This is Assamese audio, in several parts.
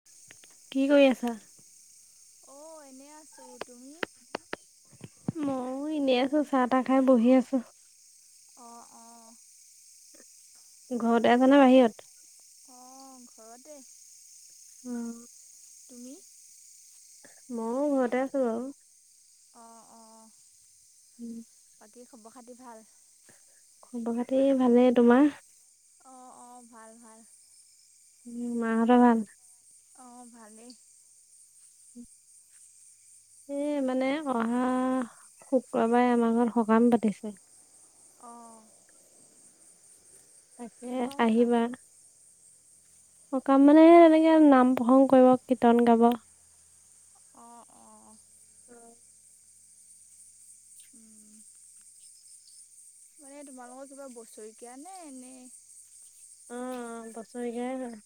[inaudible] কি কৰি আছা? অ এনে আছো, তুমি? মও এনেই আছো চাহ তাহ খাই বহি আছো। অ অ ঘৰতে আছানা বাহিৰত? অ ঘৰতে উম তুমি? মও ঘৰতে আছো বাউ। অ অ উম বাকী খবৰ খাতি ভাল? খবৰ খাতি ভালে। তোমাৰ? অঁ অঁ ভাল ভাল উম মাহঁত ভাল? অ ভালেই। এই, মানে অহা শুক্ৰবাৰে, আমাৰ ঘৰত সকাম পাতিছে। অ, তাকে, কিহৰ সকাম আহিবা। সকাম, মানে এনেকে নাম প্ৰসংগ কৰিব, কীৰ্তন গাব। অ, অ, অ, উম, মানে তোমালোকৰ কিবা বছৰেকীয়া নে, এনে। অ, অ, বছৰেকীয়াই হয়।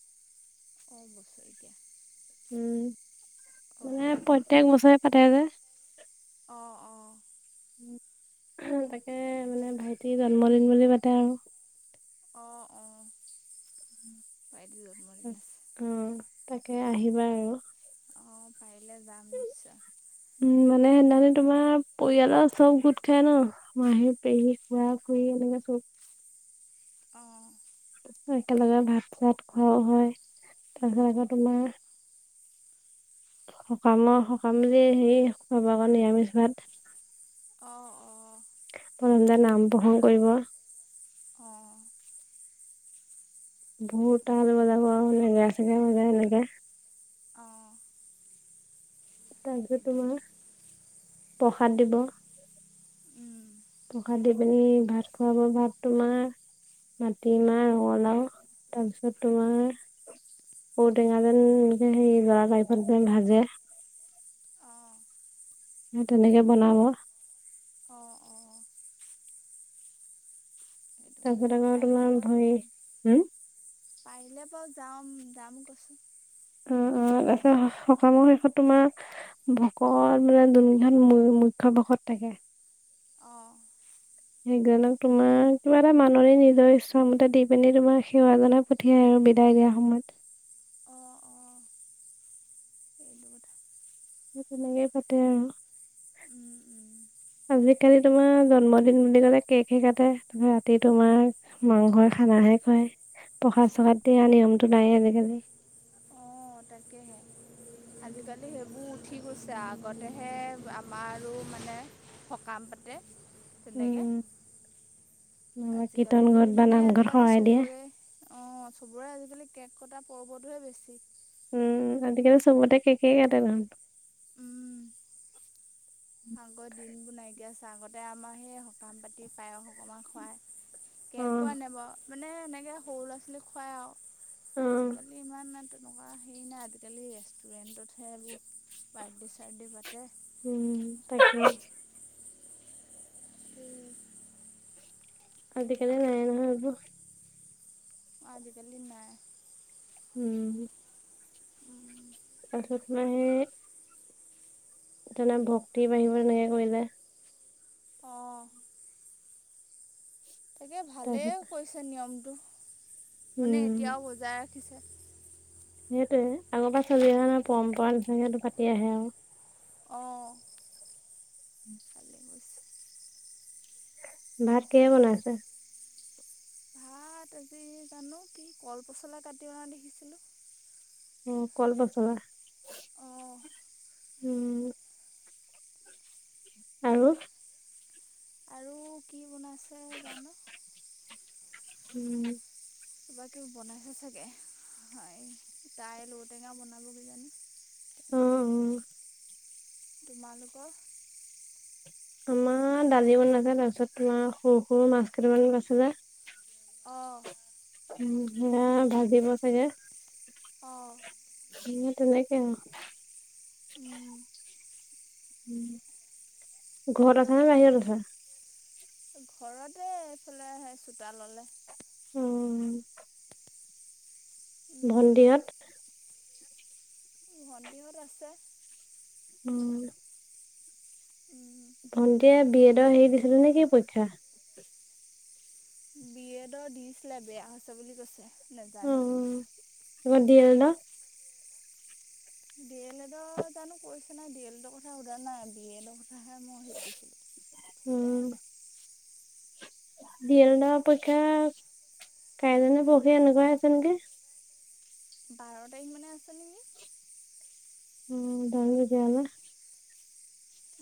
অ, বছৰেকীয়া। উম, মানে অঁ প্ৰত্যেক বছৰে পাতে যে। অ, অ, তাকে মান, ভাইটিৰ জন্মদিন বুলি পাতে আৰু। অ, অ, ভাইটি জম্ন দি অ, তাকে আহিবা আৰু। অ, পাৰিলে যাম, নিশ্চয়। উম, মানে সেইদিনা তোমাৰ পৰিয়ালৰ চ'ব গোট খাই, ন। আমাৰ সেইটোয়ে, সেইটোয়ে [inaudible] অ, একেলগে ভাত- চাত খোৱাও হয়, তাৰপিছত আকৌ তোমাৰ। সকামৰ-সকাম বুলি হেৰি, খাব আকৌ নিৰামিষ ভাত। অ, অ, [inaudible] নাম প্ৰসংগ কৰিব। অ, ধূল, সেইটো তাল কথা বজাব [inaudible] অ, তাৰপিছত কথা তোমাৰ, প্ৰসাদ দিব। উম, প্ৰসাদ দি পিনি, ভাত খোৱাব, ভাত তোমাৰ। মাটিমাহ, ৰঙালাও তাৰপিছত, তোমাৰ। ঔটেঙা যেন, [inaudible] যেন ভাজে। অ, সেই তেনেকে বনাব। অ অ', সেইটো কথা তাৰপিছত আকৌ পাৰিলে তোমাৰ বাৰু ভৰি যাম, হম পাৰিলে বাৰু যাম, যাম কৈছো। উম, উম, তাৰপিছত সকামৰ শেষত তোমাৰ। ভকত মানে দুইজন মুখ্য ভকত থাকে। অ, সেইজনক তোমাৰ কিবা এটা, মানুৰে নিজৰ ইচ্ছামতে দি পিনি তোমাৰ সেৱাজক। পঠিয়াই আৰু বিদায় দিয়া সময়ত। অ, অ, এইটো কথা। তেনেকেই পাতে আৰু। উম উম আজিকালি তোমাৰ জন্মদিন বুলি ক'লে, কেকহে কাটে তাৰ ৰাতি তোমাৰ। মাংসই খানাহে খোৱাই, প্ৰসাদ-চসাদ দিয়া নিয়মটো নাই আজিকালি। অ, তাকেহে আজিকালি সেইবোৰ উঠি গৈছে, আগতেহে আমাৰো মানে, সকাম পাতে তেনেকৈ। উম নাইবা কীৰ্তন আজিকালি ঘৰত বা মানে নামঘৰত আজিকালি শৰাই দিয়ে চবৰে- অঁ চবৰে আজিকালি কেক কটা পৰ্বটোহে বেছি। উম' আজিকালি চবতে কেকেই কাটে দেখোন। উম, আগৰ দিনবোৰ নাইকিয়া হৈছে। আগতে আমাৰ সেই সকাম পাতি পায়স অকমান খুৱায়। অ কেকো আনে বাৰু মানে এনেকে সৰু ল'ৰা ছোৱালীক খুৱাই আও। অ', আজিকালি ইমান এটোট- তেনেকুৱা হেৰি নাই আজিকালি ৰেষ্টুৰেণ্টতহে এইবোৰ বাৰদে চাৰদে পাতে। উম' তাকে। উম' আতিকালি নাই নহয় এইবোৰ। অঁ' আজিকালি নাই। উম' তাপাছত তোমাৰ সেই- তেনে ভক্তি বাঢ়িব এনেকে কৰিলে। অঁ' তাকে তাৰপিছত ভালেই কৰিছে নিয়মটো, মানে উম। এতিয়াও বজাই ৰাখিছে। সেইটোৱে, আগৰ পৰা চলি আহা নাই পৰম্পৰা নিচনাকে সেইটো পাতি আহে আও। অঁ' উম' ভালেই কৰিছে ভাত কিহে বনাইছে? ভাত আজি জানো কি? কল পচলা কাটি অনা দেখিছিলো। উম' কল পচলা, অঁ উম'। আৰু- আৰু কি বনাইছে জানো? উম' কিবাকিবি বনাইছে চাগে। হাঁয়ে দাইল ঔটেঙা বনাব কিজানি? অ', তেনেকে, অ'। তোমালোকৰ? আমাৰ দালি বনাইছে তাৰপিছত তোমাৰ সৰু সৰু মাছ কেইটামান বাছিলে। অ' উম' হিনা ভাজিব চাগে। অ' সিঁয়ে তেনেকে আও। উম' উম' সেইটো কথা, ঘৰতে এইফালে সেই চোতা ল'লে। উম, উম, ভন্তিহঁত? ভন্তিহঁত আছে। উম' উম হুম' ভণ্টিয়ে বি এডৰ হেৰি দিছিলে নে কি পৰীক্ষা? বি এডৰ দিছিলে বেয়া হৈছে বুলি কৈছে, নেজানো। উম' তাপা D El Ed? D El এডৰ জানো কৰিছে নাই, ডি এল এডৰ কথা সোধা নাই বি এডৰ কথা- কথাহে মই সোদিছিলোঁ, সোদায়ে নাই। ডি এল এড ৰ পৰীক্ষা কাইলে নে পৰখি এনেকুৱাই আছে নেকি? বাৰ তাৰিখ মানে আছে নেকি! উম, [unintelligible]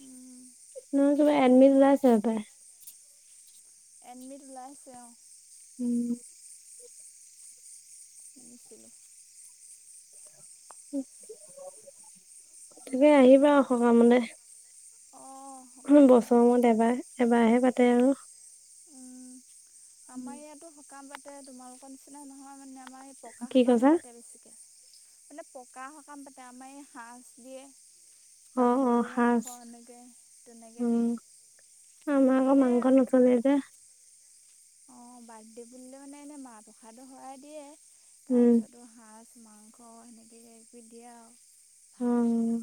উম, এডমিত [unintelligible] এডমিট ওলাইছে অ', উম, [unintelligible] [unintelligible] তাকে আহিবা আৰু অ', বছৰ মূৰত এবাৰ-এবাৰহে পাতে আৰু উম আমাৰ ইয়াতো সকাম পাতে তোমালোকৰ নিচিনা নহয় মানে আমাৰ ইত পকা কি সকামহে কৈছা? পাতে বেছিকে মানে পকা সকাম পাতে আমাৰ এই সাঁজ দিয়ে অ', অ', গাহৰি সাজ। মাংস আনেগে তেনেকে উম, দিয়ে। আমাৰ আকৌ মানে মাংস নচলে যে। অ', বাৰ্থডে বুলিলে মানে এনেই মাহ প্ৰসাদৰ শৰাই দিয়ে, উম, তাৰপিছত ত সাজ মাংস সেনেকে কৈ দিয়ে আউ ভাত দিয়ে। অ'।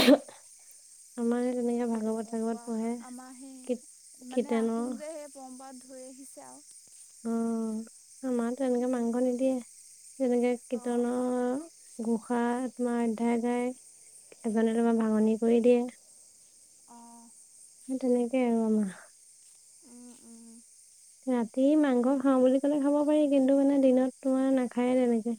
[unintelligible] আমাৰ সেই তেনেকে সেইটো ভাগৱত চাগৱত [unintelligible] পঢ়ে। আমাৰ সেই মানে কীৰ্তনৰ, আহোম যে। [unintelligible] ধৰি আহিছে আৰু অ', আমাৰ তেনেকে মাংস নিদিয়ে তেনেকে অঁ কীৰ্তনৰ ঘোষা তোমাৰ অধ্যায় গাই এজনে তোমাৰ ভাঙনি কৰি দিয়ে। অ', তেনেকে আৰু আমা উম, উম, ৰাতি মাংস খাওঁ বুলি ক'লে খাব পাৰি, কিন্তু মানে দিনত তোমাৰ নাখায়ে তেনেকে।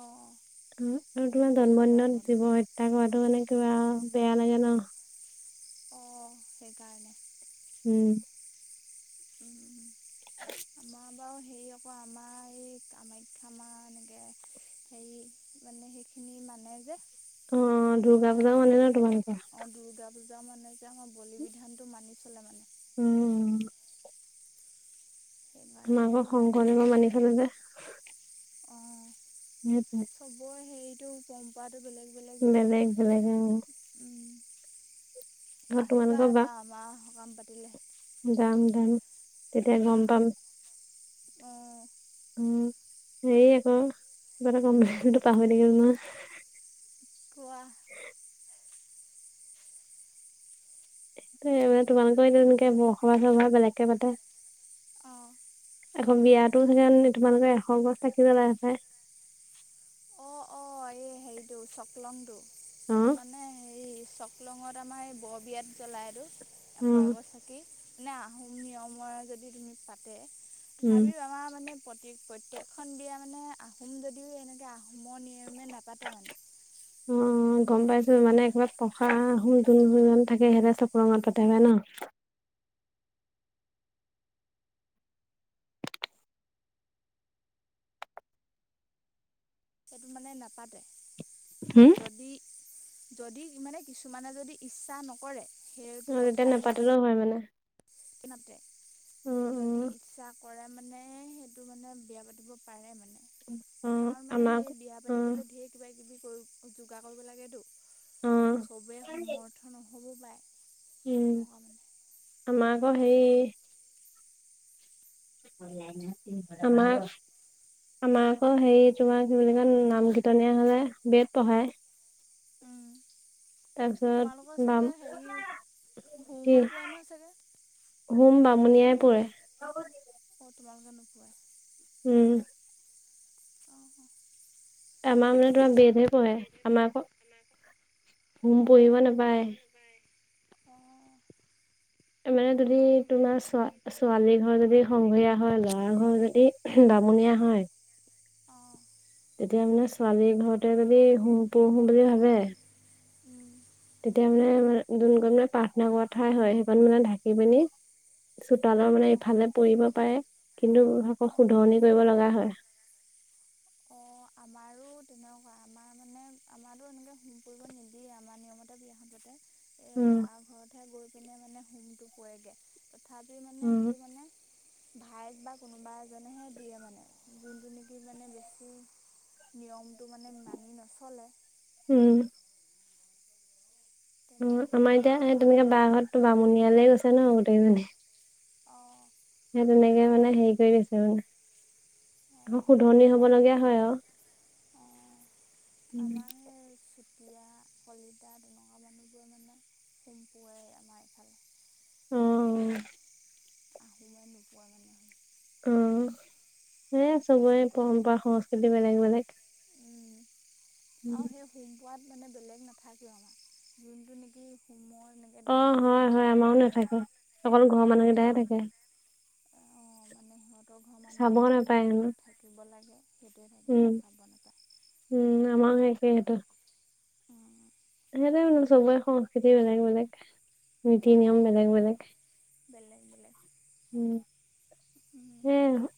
অ', আৰু তোমাৰ জন্ম দিনত জীৱ হত্যা কৰাটো মানে কিবা বেয়া লাগে ন। অ', সেইকাৰণে। উম, উম, আমা আমাও হেৰি আকৌ আমাৰ এই কামাখ্যা মাৰ এনেকে হেই মানে সেইখিনি মানে যে, অ দুৰ্গা আমাৰ পূজাও মানে সেই ন বলে তোমালোকৰ অ দুৰ্গা পুজা মানে যে আমাৰ বলি বিধানটো মানি চলে মানে। উম, ত আমাৰ মানে আকৌ ইমান শংকৰদেৱৰ সেইটো মানি চলে যে অ', সেইটোৱে। চবৰে হেৰিটো পম্পৰাটো বেলেগ বেলেগ যে। বেলেগ অ উম আকৌ আহিবা তোমালোকৰ বা এবা আমাৰ সকাম পাতিলে। যাম যাম। তেতিয়া গম পাম উম, অ', উম, হেৰি আকৌ কিবা এটা কম বুলি ভাবিছিলোঁ পাহৰি থাকিলো নহয়। কোৱা? এ মানে তোমালোকৰ তেনেকে বৰসভা চভা বেলেগকে পাতে? অ', আকৌ বিয়াতো চাগে তোমালোকে এশ গছ চাকি জ্বলাই হপাই। অঁএই হেৰিটো চকলংটো অ এইটো মানে হেৰি চক- চকলং আমাৰ এই বৰ বিয়াত জ্বলায়টো এশ উম এগছ চাকি। কি মানে আহোম নিয়মৰে যদি তুমি পাতে, উম তথাপিও আমাৰ মানে- প্ৰতে-প্ৰত্যেকখন বিয়া মানে আহোম যদিও এনেকৈ আহোমৰ নিয়মে নাপাতে মানে। উমঁ! অঁ গম পাইছো মানে কিবা পকা আহোম যোন থাকে সিহঁতে চব ৰঙৰ পাতে হয় ন। এইটো মানে নাপাতে। হোম! যদি যদি মানে কিছুমানে যদি ইচ্ছা নকৰে সেইটো পথাৰ বিয়া পাতি- হয়ঁ মানে। ইচকেনাদে অ অ যদি ইচ্ছা। কৰে মানে সেইটো মানে বিয়া পাতিব পাৰে মানে। অ কাৰণ মানে আমাক সেই বিয়া অ পাতিবলৈ ধেৰ কিবা কিবি- কি কৰিব যোগাৰ কৰিব লাগেতো অ চবেই সমৰ্থ নহ'ব পাৰে। উমঁ তেনেকুৱা মানে আমাৰ আকৌ হেই। আমাৰ। আমাৰ আকৌ হেৰি তোমাৰ কি বুলি কয় নাম কীৰ্তনীয়া হলে বট পঢ়ায়। উম, তাৰপিছত তোমালোকৰ বাম চাগে হেৰি কি হোমো পোৱাই নহয় চাগে। হোম বামুণিয়াই পুৰে। অঁ তোমালোকে নোপোৱাই। উমঁ! অহ! আমাৰ মানে তোমাৰ বেদহে পঢ়ে আমাৰ আকৌ হোম পঢ়িব নাপায়। হয় মানে যদি তোমাৰ ছোৱালী ঘৰ যদি সংঘৰীয়া হয় ল'ৰা ঘৰ যদি- বামুণীয়া হয়। অঁ! তেতিয়া মানে ছোৱালীৰ ঘৰতে যদি হোম পৰহো বুলি ভাবে- উমঁ! তেতিয়া মানে যোনকৈ মানে পাৰ্থনা কৰাৱা ঠাই হয় সেইখন মানে ঢাকি পিনি- চোতালৰ মানে অঁ ইফালে পৰিব পাৰে কিন্তু আকৌ অঁ শুধৰনি কৰিব লগা হয়। অঁ আমাৰো তেনেকুৱা। আমাৰ মানে আমাৰো এনেকে সোম পৰিব নিদিয়ে আমাৰ নিয়মতে বিয়াখন পাতে। এই উম ল'ৰা ঘৰতহে গৈ পিনে মানে সোমটো পৰেগে। ভাপি মানে উম সেইটো মানে। ভাইক বা কোনোবা এজনেহে দিয়ে মানে যোনটো নেকি মানে বেছি- নিয়মটো মানে মানি নচলে। উমঁ! ওম তেনেকৈ আমাৰ মানে এতিয়া তেনেকে বাহ সত বামুণিয়ালে গৈছে ন গোটেইজনী। অঁ! সেই তেনেকে মানে হেৰি কৰি আছে মানে অঁ শুধনি হ'ব আমাৰ লগীয়া সেই হয় আও আমাৰে চুত দিয়া কলিতা তেনেকুৱা মানুহবোৰৰে মানে হোম পোৱাই আমাৰ এইফালে। উম [unintelligible] অ সে এইটো চবৰে পৰম্পৰা সংস্কৃতি বেলেগ বেলেগ। উম আৰু সেই হোম পোৱাত মানে বেলেগ নাথাকেও আমাৰ যোনটো নেকি হোমৰে, অ হয় হয় আমাৰো নাথাকে অকল ঘৰৰ মানুহকেইটাই থাকে। অ মানে সিহঁতৰ ঘৰ মানুহ চাব আৰু নাপায় আমাৰ হেনো যোনটোত থাকিব লাগে সেইটো। উম উম আমাও একেটো, [inaudible] সেতো কৈছো চবৰে সংস্কৃতি বেলেগ বেলেগ নীতি নিয়ম অঁ বেলেগ বেলেগ। বেলেগ বেলেগ, উম, [inaudible] এ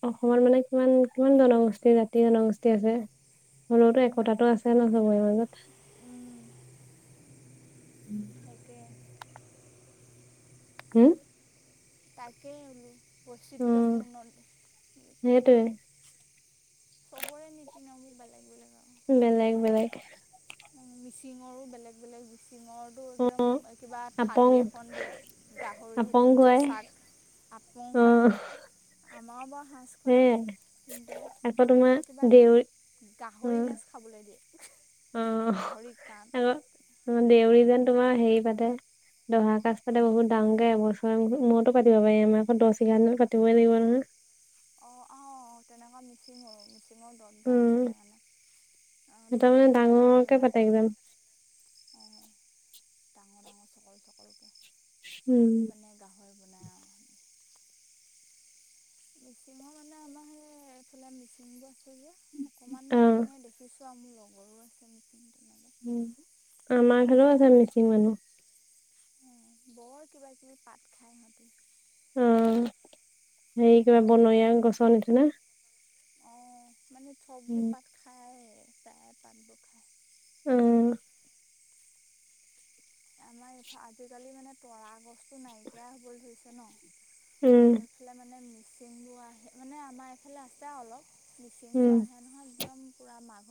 অসমত মানে কিমান কিমান জনগোষ্ঠী জাতি জনগোষ্ঠী আছে। হলেওতো একতটো আছে ন চবৰে মাজত। কে, হুম, তাকেই বলো উম, বৈচিত্ৰ্যপূৰ্ণ, সেইটোৱে। চবৰে নীতি নিয়মবোৰ বেলেগ বেলেগ আৰু বেলেগ বেলেগ। মিচিঙৰো বেলেগ বেলেগ মিচিঙৰ, টো একদম কিবা আপং থালি এখন দিয়ে গাহৰি আপং দি খুৱাই জচাক। আপং খোৱাই, অ', আমাৰো বাৰু সাঁজ খুৱায় সেয়াই কিন্তু আকৌ তোমাৰ সিহঁতৰ কিবা দেউৰী গাহৰি নেচ খাবলৈ দিয়ে। অ গাহৰি কাণ আকৌ দেউৰী যেন তোমাৰ হেৰি পাতে, দহা কাজ পালে কি বহুত ডাঙকে এবছৰ মূৰতো পাতিব পাৰি আমাৰ আকৌ দহ এঘাৰ দিনত পাতিবই লাগিবই নহয়। অঁ অঁ তেনেকুৱা মিটিং হয়। দিনত দত গাং পাতে উম, মানে সিহঁতৰ দুইটা মানে তিনিটা গাহৰি ডাঙৰকে পাতে মাৰে। একদম [unintelligible] উম, [unintelligible] মিচিংৰ মানে আমাৰ সেইফালে মিচিং বোৰ আছেযে অকমান অহ। দেখিছো। চ মোৰ লগৰো আছে। তেনেকৈ উম গম আমাৰ পাওঁ ফালেও আছে মিচিং মানুহ, বৰ কিবা কিবি পাত, খায় সিহঁতি অ হেৰি কৰে বনৰীয়া গছৰ নিচিনা। অ মানে থগবোৰ উম, পাত খায় তাই পাতবোৰ খ উম আমাৰ ইফ আজিকালি মানে তৰা গছটো নাইকিয়া হব ধৰিছে ন। উম। তেওঁফালে মানে মিচিং বোৰ আহে মানে আমাৰ এইফালে আছে আৰু অলপ, মিকিং উম। বোৰ আহে নহয় একদম পুৰা মাঘ